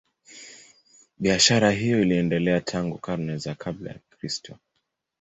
Biashara hiyo iliendelea tangu karne za kabla ya Kristo.